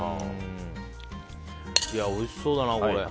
おいしそうだな、これ。